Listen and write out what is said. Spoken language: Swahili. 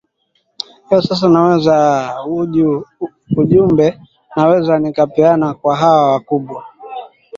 hiyo sasa naweza aa uju ujumbe naweza nikapeana kwa hawa wakubwa